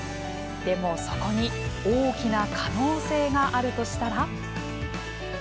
でも、そこに大きな可能性があるとしたら。